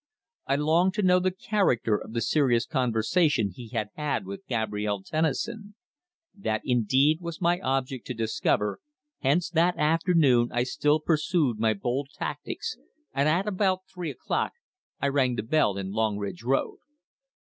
I longed to know the character of the serious conversation he had had with Gabrielle Tennison. That indeed was my object to discover, hence that afternoon I still pursued my bold tactics and at about three o'clock I rang the bell in Longridge Road.